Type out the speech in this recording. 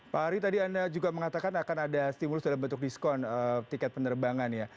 pak ari tadi anda juga mengatakan akan ada stimulus dalam bentuk diskon tiket penerbangan ya